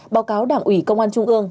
báo cáo đảng ủy công an trung ương